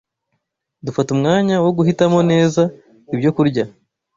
Dufata umwanya wo guhitamo neza ibyo kurya